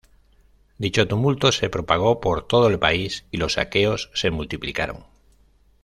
Dicho tumulto se propagó por todo el país y los saqueos se multiplicaron.